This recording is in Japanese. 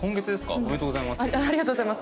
おめでとうございます。